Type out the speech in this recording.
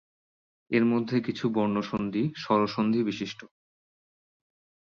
এদের মধ্যে কিছু বর্ণ সন্ধি-স্বরধ্বনী বিশিষ্ট।